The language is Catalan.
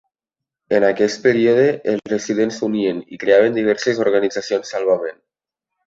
En aquest període els residents s'unien i creaven diverses organitzacions salvament.